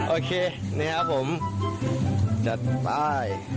โอเคนะครับผมจัดไป